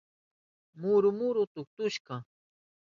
Muru muru tukushka.